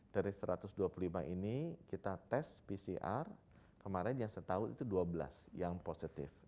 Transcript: dari satu ratus dua puluh lima ini kita tes pcr kemarin yang saya tahu itu dua belas yang positif